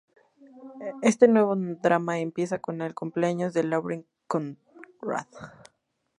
Este nuevo drama empieza con el cumpleaños de Lauren Conrad.